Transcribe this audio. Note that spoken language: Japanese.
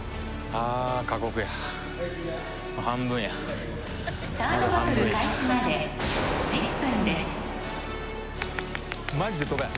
あ半分やあと半分やサードバトル開始まで１０分です